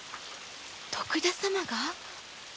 徳田様が？